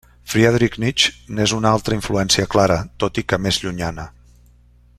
Friedrich Nietzsche n'és una altra influència clara, tot i que més llunyana.